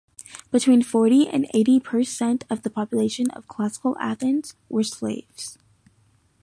Between forty and eighty per cent of the population of Classical Athens were slaves.